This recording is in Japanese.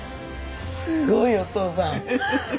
すごいよお父さん！